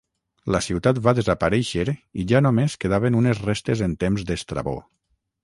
La ciutat va desaparèixer i ja només quedaven unes restes en temps d'Estrabó.